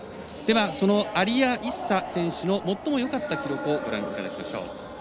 そのアリア・イッサ選手の最もよかった記録をご覧いただきましょう。